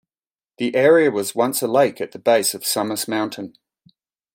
The area was once a lake at the base of Sumas Mountain.